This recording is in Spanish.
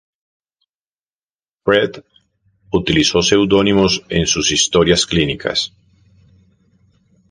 Freud utilizó seudónimos en sus historias clínicas.